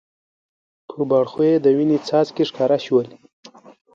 پر باړخو یې د وینې څاڅکي ښکاره شول.